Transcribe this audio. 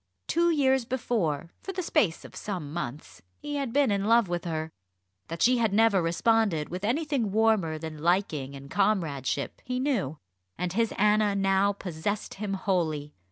Two years before, for the space of some months, he had been in love with her. That she had never responded with anything warmer than liking and comradeship he knew; and his Anna now possessed him wholly.